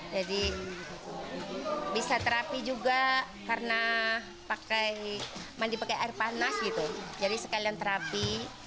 jadi bisa terapi juga karena mandi pakai air panas gitu jadi sekalian terapi